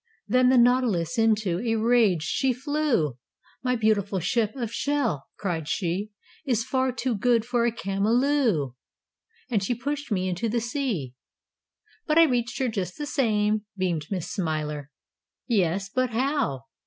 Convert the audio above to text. Then the Nautilus into A rage she flew! 'My beautiful ship Of shell,' cried she, 'Is far too good For a Cameloo!' And she pushed me Into the sea. But I reached here just the same!" beamed Miss Smiler. "Yes, but how?"